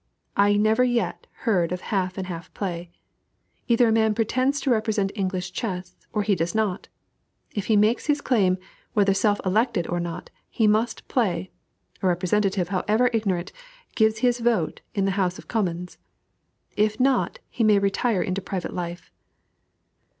I never yet heard of half and half play. Either a man pretends to represent English chess, or he does not. If he makes his claim, whether self elected or not, he must play (a representative, however ignorant, gives his vote in the House of Commons), if not, he may retire into private life.